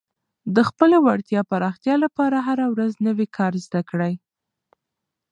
د خپلې وړتیا پراختیا لپاره هره ورځ نوی کار زده کړه.